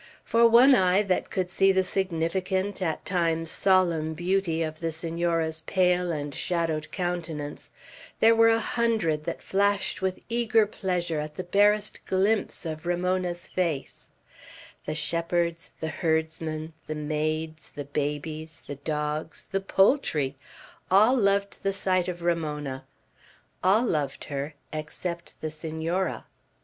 For one eye that could see the significant, at times solemn, beauty of the Senora's pale and shadowed countenance, there were a hundred that flashed with eager pleasure at the barest glimpse of Ramona's face; the shepherds, the herdsmen, the maids, the babies, the dogs, the poultry, all loved the sight of Ramona; all loved her, except the Senora.